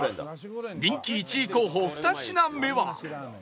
人気１位候補２品目は